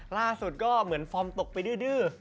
ล่าสุดก็เหมือนฟอร์มตกไปดื้อ